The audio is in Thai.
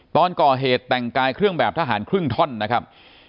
ตอนก่อเหตุแต่งกายเครื่องแบบทหารครึ่งท่อนนะครับ